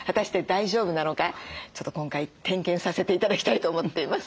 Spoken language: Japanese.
ちょっと今回点検させて頂きたいと思っています。